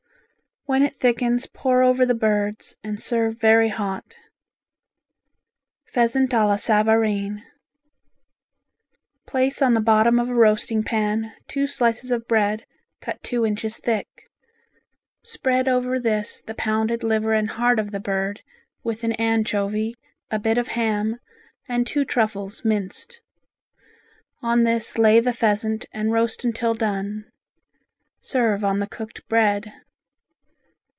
When it thickens pour over the birds and serve very hot. Pheasant a la Savarin Place on the bottom of a roasting pan two slices of bread cut two inches thick. Spread over this the pounded liver and heart of the bird with an anchovy, a bit of ham and two truffles minced. On this lay the pheasant and roast until done. Serve on the cooked bread.